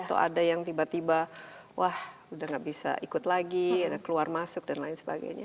atau ada yang tiba tiba wah udah nggak bisa ikut lagi ada keluar masuk dan lain sebagainya